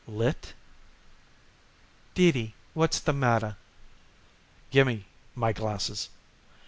"Lit?" "Dee Dee, what's the matter?" "Gimme my glasses."